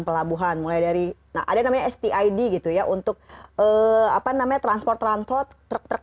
pelabuhan mulai dari nah ada namanya stid gitu ya untuk apa namanya transport transport truk truk